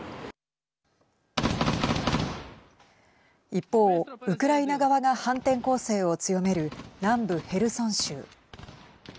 一方、ウクライナ側が反転攻勢を強める南部ヘルソン州。